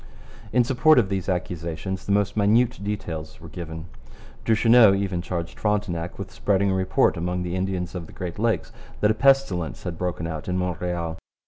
In support of these accusations the most minute details are given. Duchesneau even charged Frontenac with spreading a report among the Indians of the Great Lakes that a pestilence had broken out in Montreal.